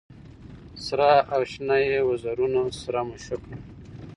سره او شنه یې وزرونه سره مشوکه